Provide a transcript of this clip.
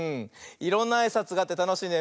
いろんなあいさつがあってたのしいね。